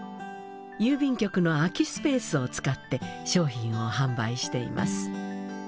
郵便局の空きスペースを使って商品を販売しています。